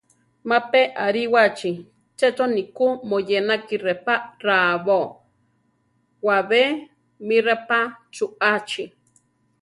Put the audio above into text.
Ma pe aríwachi, checho ni ku moyénaki repá raábo, wabé mi repá chuʼachi.